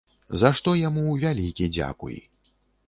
За што яму вялікі дзякуй.